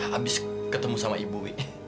habis ketemu sama ibu